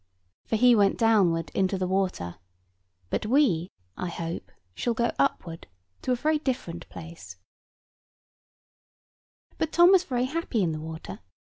For he went downward into the water: but we, I hope, shall go upward to a very different place. [Picture: Tom in the stream] But Tom was very happy in the water.